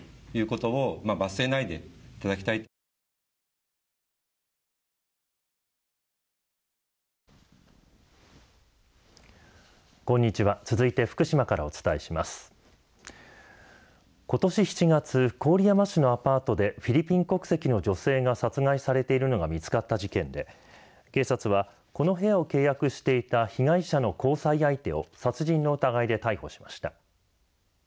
ことし７月郡山市のアパートでフィリピン国籍の女性が殺害されているのが見つかった事件で警察はこの部屋を契約していた被害者の交際相手を殺人の疑いで逮捕しました。